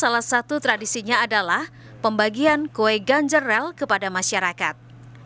salah satu tradisinya adalah pembagian kue ganjar rel kepada masyarakat